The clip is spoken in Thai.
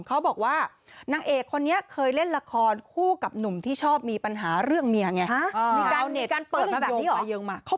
เขาบอกว่านางเอกคนนี้เคยเล่นละครคู่กับหนุ่มที่ชอบมีปัญหาเรื่องเมียไง